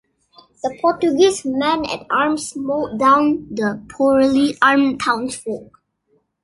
The Portuguese men-at-arms mowed down the poorly armed townsfolk.